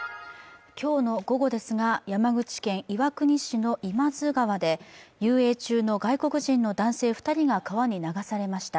今日の午後ですが、山口県岩国市の今津川で遊泳中の外国人の男性２人が川に流されました。